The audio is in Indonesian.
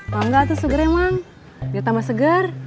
bangga tuh suger emang udah tambah segar